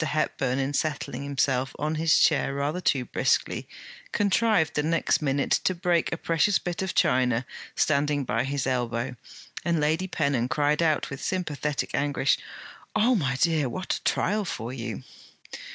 Hepburn, in settling himself on his chair rather too briskly, contrived the next minute to break a precious bit of China standing by his elbow; and Lady Pennon cried out, with sympathetic anguish: 'Oh, my dear, what a trial for you!'